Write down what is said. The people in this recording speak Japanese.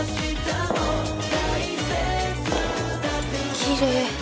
きれい。